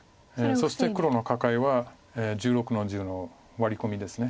そして黒のカカエは１６の十のワリコミですね